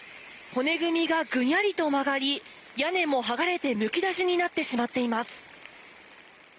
骨組みが、ぐにゃりと曲がり屋根も剥がれて、むき出しになってしまっています。